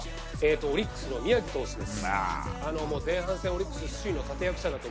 オリックスの宮城投手です。